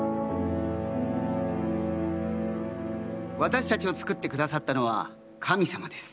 私たちをつくって下さったのは神様です。